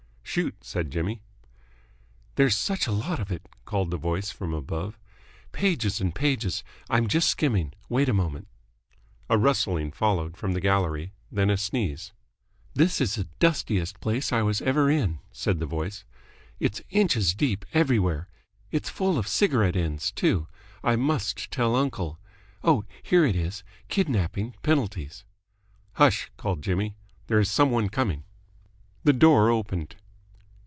"Shoot," said Jimmy. "There's such a lot of it," called the voice from above. "Pages and pages. I'm just skimming. Wait a moment." A rustling followed from the gallery, then a sneeze. "This is the dustiest place I was ever in," said the voice. "It's inches deep everywhere. It's full of cigarette ends, too. I must tell uncle. Oh, here it is. Kidnapping penalties " "Hush" called Jimmy. "There's some one coming." The door opened.